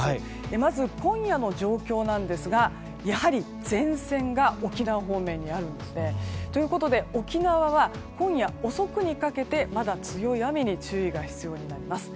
まず、今夜の状況ですがやはり、前線が沖縄方面にあるんですね。ということで、沖縄は今夜遅くにかけてまだ強い雨に注意が必要になります。